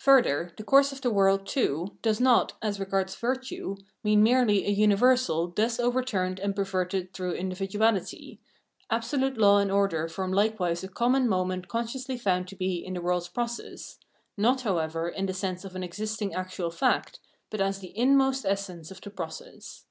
Further, the course of the world, too, does not, as regards virtue, mean merely a universal thus overturned and perverted through individuahty ; absolute law and order form likewise a common mo ment consciously found to be in the world's process, not, however, in the sense of an existing actual fact, but as the inmost essence of the process.